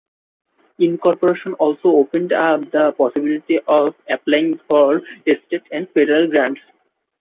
Incorporation also opened up the possibility of applying for state and federal grants.